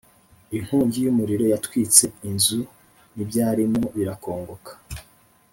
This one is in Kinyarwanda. inkongi y’umuriro yatwitse inzu n’ibyarimo birakongoka